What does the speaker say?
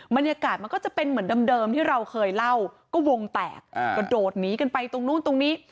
บรรยากาศมันก็จะเป็นเหมือนเดิมที่เราเคยเล่าก็วงแตกกระโดดหนีกันไปตรงนู้นตรงนี้